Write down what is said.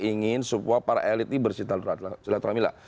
ingin semua para elit ini bersihkan silaturahmi lah